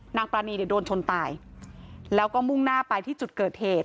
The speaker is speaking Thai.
ปรานีเนี่ยโดนชนตายแล้วก็มุ่งหน้าไปที่จุดเกิดเหตุ